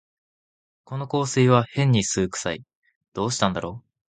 この香水はへんに酢くさい、どうしたんだろう